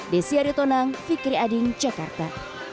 desyari tonang fikri ading jakarta